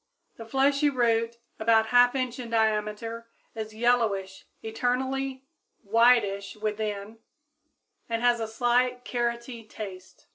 _ The fleshy root, about 1/2 inch in diameter, is yellowish externally, whitish within, and has a slight carroty taste.